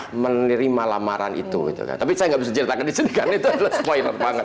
karena dia sudah menerima lamaran itu gitu kan tapi saya nggak bisa ceritakan di sini kan itu spoiler banget